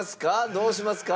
どうしますか？